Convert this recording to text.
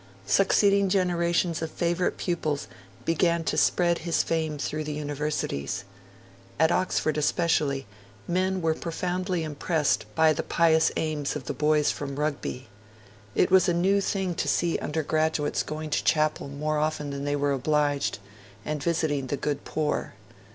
Succeeding generations of favourite pupils began to spread his fame through the Universities. At Oxford especially, men were profoundly impressed by the pious aims of the boys from Rugby. It was a new thing to see undergraduates going to Chapel more often than they were obliged, and visiting the good poor.